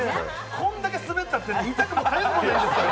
こんだけスベったって痛くもかゆくもないんですから！